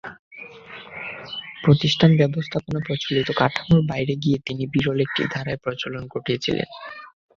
প্রতিষ্ঠান ব্যবস্থাপনার প্রচলিত কাঠামোর বাইরে গিয়ে তিনি বিরল একটি ধারার প্রচলন ঘটিয়েছেন।